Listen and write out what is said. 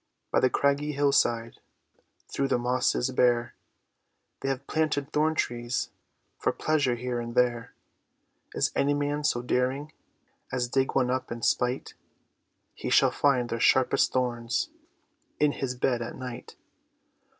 By the craggy hill side, Through the mosses bare, They have planted thorn trees For pleasure here and there. Is any man so daring As dig one up in spite, He shall find their sharpest thorns In his bed at night.